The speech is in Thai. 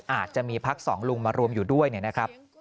อาจจะมีพักสองลุงมารวมอยู่ด้วยนะครับ